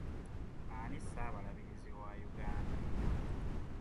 Ani ssaababalirizi wa Uganda?